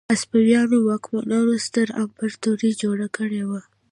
هسپانوي واکمنانو ستره امپراتوري جوړه کړې وه.